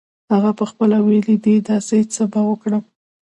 هغه پخپله ویلې دي داسې څه به وکړم.